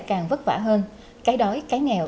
càng vất vả hơn cái đói cái nghèo